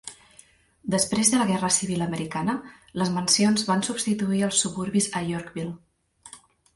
Després de la Guerra Civil Americana, les mansions van substituir els suburbis a Yorkville.